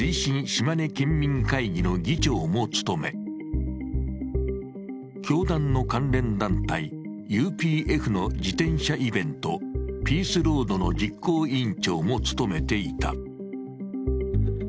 島根県民会議の議長も務め、教団の関連団体、ＵＰＦの自転車イベント、ピースロードの実行委員長も務めていた。